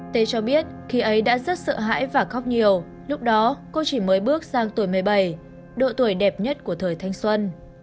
tê cho biết khi ấy đã rất sợ hãi và khóc nhiều lúc đó cô chỉ mới bước sang tuổi một mươi bảy độ tuổi đẹp nhất của thời thanh xuân